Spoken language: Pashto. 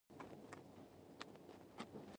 پر عمومي سړک به یې بمونه وغورځول، موږ خپله فرعي لارې.